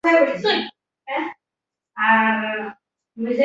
This approach can mainly be found in the gaming industry.